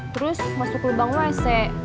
terus masuk ke lubang wc